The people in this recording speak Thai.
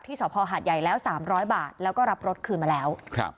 สภหาดใหญ่แล้ว๓๐๐บาทแล้วก็รับรถคืนมาแล้ว